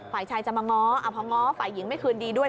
ฝ่ายชายจะมาง้อพอง้อฝ่ายหญิงไม่คืนดีด้วย